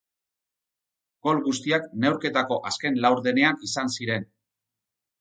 Gol guztiak neurketako azken laurdenean izan ziren.